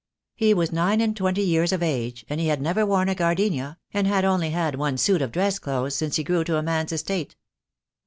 He was nine and twenty years of age, and he had never worn a gardenia, and had only had one suit of dress clothes since he grew to man's estate.